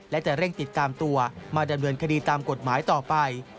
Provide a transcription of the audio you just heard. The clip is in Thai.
และจะเร่งติดตามตัวมาดำเนินคดีตามกฎหมายต่อไป